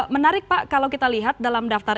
menarik pak kalau kita lihat dalam daftar